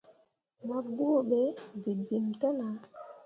Ma guuɓe bebemme te nah.